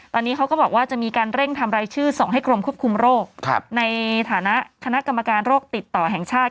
ตอนนี้เขาก็บอกว่าจะมีการเร่งทำรายชื่อส่งให้กรมควบคุมโรคในฐานะคณะกรรมการโรคติดต่อแห่งชาติ